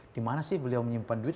di mana sih beliau menyimpan duit